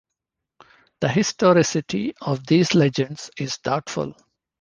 The historicity of these legends is doubtful.